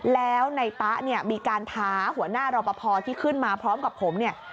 แล้วในตะเนี่ยมีการท้าหัวหน้ารอปภที่ขึ้นมาพร้อมกับผมเนี่ย